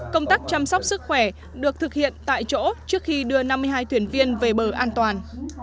công tác chăm sóc sức khỏe được thực hiện tại chỗ trước khi đưa năm mươi hai thuyền viên về bờ an toàn